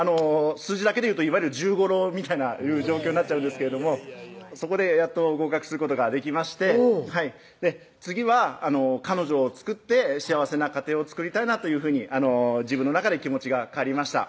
数字だけでいうといわゆる１５浪みたいな状況になっちゃうんですけれどもそこでやっと合格することができまして次は彼女を作って幸せな家庭を作りたいなというふうに自分の中で気持ちが変わりました